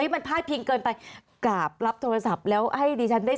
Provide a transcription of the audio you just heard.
ทำไมรัฐต้องเอาเงินภาษีประชาชนไปจ้างกำลังผลมาโจมตีประชาชน